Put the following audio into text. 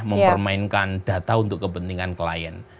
mempermainkan data untuk kepentingan klien